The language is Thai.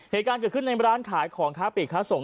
เหตุการณ์เกิดขึ้นในร้านขายของค้าปีกค้าส่ง